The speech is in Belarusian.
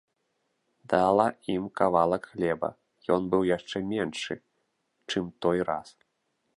Дала ім кавалак хлеба, ён быў яшчэ меншы, чым той раз